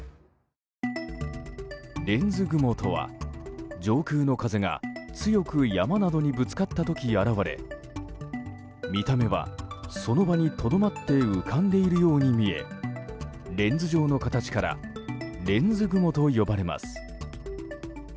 レンズ雲とは、上空の風が強く山などにぶつかった時に現れ見た目は、その場にとどまって浮かんでいるように見えレンズ状の形からレンズ雲と呼ばれます。